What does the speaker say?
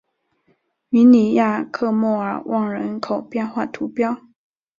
米尼亚克莫尔旺人口变化图示